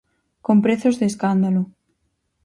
Con prezos de escándalo.